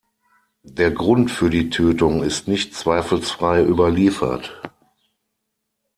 Der Grund für die Tötung ist nicht zweifelsfrei überliefert.